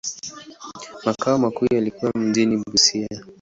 Makao makuu yalikuwa mjini Busia.